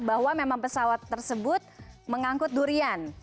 bahwa memang pesawat tersebut mengangkut durian